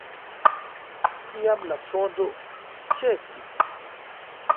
Tiam la sonĝo ĉesis.